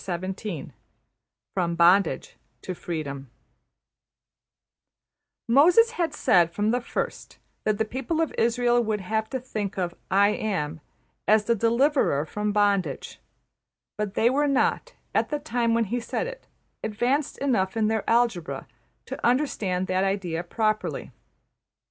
'' \chapter{From Bondage to Freedom} Moses had said, from the first, that the people of Israël would have to think of ``I Am'' as the deliverer from bondage; but they were not, at the time when he said it, advanced enough in their algebra to understand that idea properly.